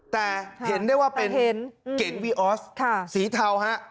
แต่เห็นได้ว่าเป็นเก๋งวีออสสีเทาฮะ